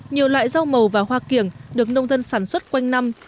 nhiều loại rau màu và hoa kiểng được nông dân sản xuất quanh năm